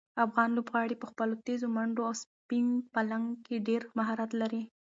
افغان لوبغاړي په خپلو تېزو منډو او سپین بالنګ کې ډېر مهارت لري.